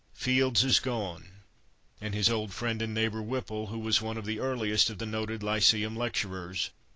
Fields is gone, and his old friend and neighbor Whipple, who was one of the earliest of the noted lyceum lecturers.